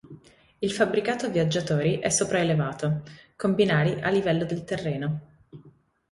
Il fabbricato viaggiatori è sopraelevato, com binari a livello del terreno.